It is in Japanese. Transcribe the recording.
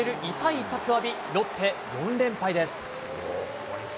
１発を浴びたロッテ４連敗です。